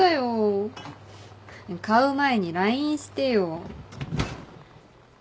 買う前にＬＩＮＥしてよ。